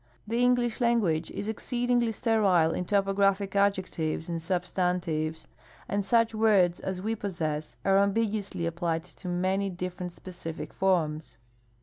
The English language is exceedingly sterile in topographic adjectives and substantives, and such words as we possess are ambiguously applied to many different specific forms.